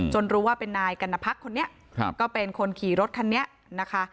รู้ว่าเป็นนายกัณพักคนนี้ก็เป็นคนขี่รถคันนี้นะคะ